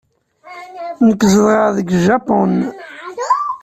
Nekk zedɣeɣ deg Japun.